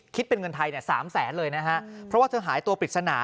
คิดเป็นเงินไทยเนี่ย๓แสนเลยนะฮะเพราะว่าเธอหายตัวปริศนา